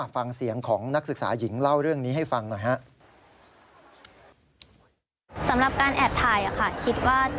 ฟังเสียงของนักศึกษาหญิงเล่าเรื่องนี้ให้ฟังหน่อยฮะ